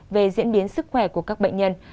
về diễn biến sức khỏe của các bệnh nhân